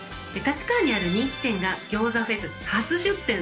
立川にある人気店が餃子フェス